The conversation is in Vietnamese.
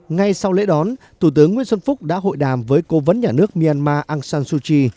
ngay sau lễ đón thủ tướng nguyễn xuân phúc đã hội đàm với cố vấn nhà nước myanmar aung san suu kyi